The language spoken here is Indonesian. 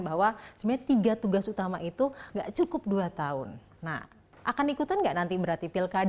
bahwa sebenarnya tiga tugas utama itu enggak cukup dua tahun nah akan ikutan nggak nanti berarti pilkada